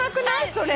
それ。